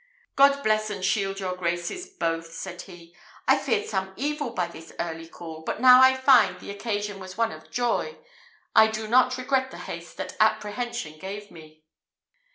"God bless and shield your graces both!" said he. "I feared some evil by this early call; but now that I find the occasion was one of joy, I do not regret the haste that apprehension gave me."